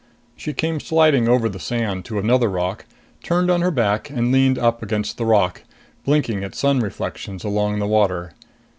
She came sliding over the sand to another rock, turned on her back and leaned up against the rock, blinking at sun reflections along the water.